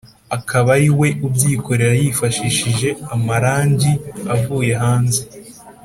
akaba ari we ubyikorera yifashishije amarangi avuye hanze